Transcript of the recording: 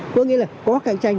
có nghĩa là có cạnh tranh